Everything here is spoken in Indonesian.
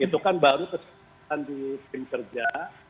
itu kan baru kesempatan di tim kerja